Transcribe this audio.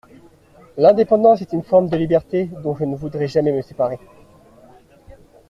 L’indépendance est une forme de liberté dont je ne voudrais jamais me séparer.